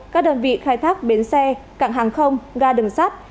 các đơn vị khai thác bến xe cảng hàng không ga đường sắt